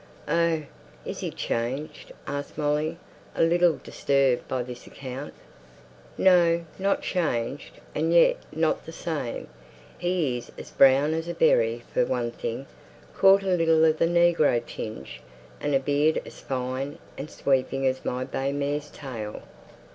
"Oh! is he changed?" asked Molly, a little disturbed by this account. "No, not changed; and yet not the same. He's as brown as a berry for one thing; caught a little of the negro tinge, and a beard as fine and sweeping as my bay mare's tail."